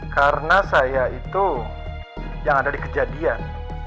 karena saya itu yang ada di kejadian